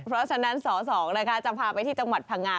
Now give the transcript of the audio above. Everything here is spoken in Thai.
เพราะฉะนั้นสอสองนะคะจะพาไปที่จังหวัดพังงา